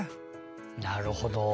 なるほど。